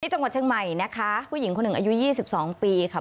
จังหวัดเชียงใหม่นะคะผู้หญิงคนหนึ่งอายุ๒๒ปีค่ะ